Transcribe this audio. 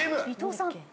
伊藤さん。